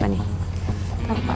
iya ini udah jam berapa nih